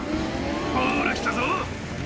ほら来たぞ。